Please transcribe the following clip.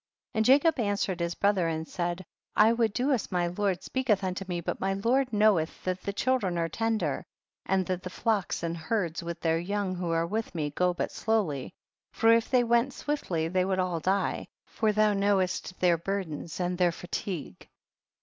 68. And Jacob answered his bro ther and said, I would do as my lord speaketh unto me, but my lord know elh that the children are tender, and the flocks and herds with their young who are with me, go but slowly, for if they went swiftly they would all die, for thou knowest their burdens and their fatigue.